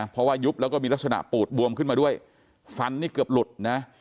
เพราะว่ายุบแล้วก็มีลักษณะปูดบวมขึ้นมาด้วยฟันนี่เกือบหลุดนะ